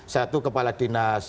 satu kepala dinas